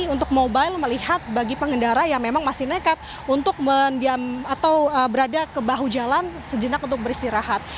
untuk mobile melihat bagi pengendara yang memang masih nekat untuk mendiam atau berada ke bahu jalan sejenak untuk beristirahat